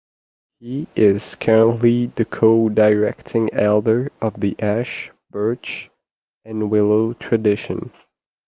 He is currently the co-directing elder of the Ash, Birch and Willow tradition.